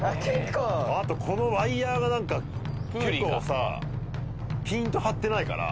あとこのワイヤがなんか結構さピンと張ってないから。